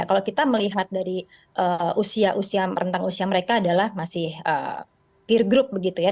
kalau kita melihat dari usia usia rentang usia mereka adalah masih peer group begitu ya